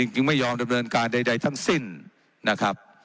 จึงไม่ยอมดำเนินการใดทั้งสิ้นนะครับ